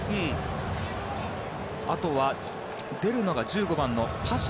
あとは出るのが１５番のパシャ